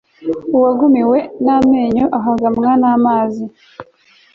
uwagumiwe n'amenyo ahaganywa n'amazi